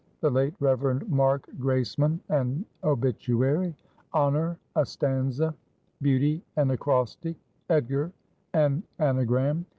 _" "The late Reverend Mark Graceman: an Obituary." "Honor: a Stanza." "Beauty: an Acrostic." "_Edgar: an Anagram.